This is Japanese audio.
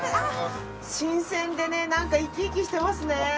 新鮮でねなんか生き生きしてますね。